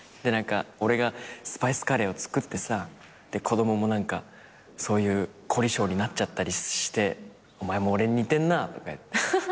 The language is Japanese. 俺がスパイスカレーを作ってさ子供もそういう凝り性になっちゃったりしてお前も俺に似てんなとか言って。